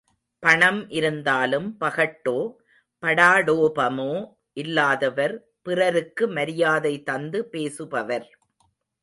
பணம் இருந்தாலும் பகட்டோ, படாடோபமோ இல்லாதவர், பிறருக்கு மரியாதை தந்து பேசுபவர்.